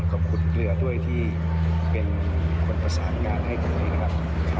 ขอบคุณเรือด้วยที่เป็นคนประสานงานให้ตัวเองนะครับ